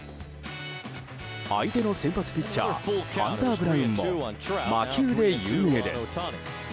相手の先発ピッチャーハンター・ブラウンも魔球で有名です。